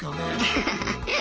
ハハハッ。